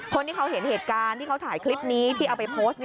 คนที่เขาเห็นเหตุการณ์ที่เขาถ่ายคลิปนี้ที่เอาไปโพสต์